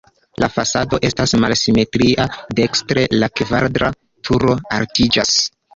La fasado estas malsimetria, dekstre la kvadrata turo altiĝas.